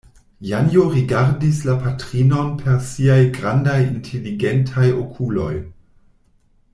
Janjo rigardis la patrinon per siaj grandaj inteligentaj okuloj.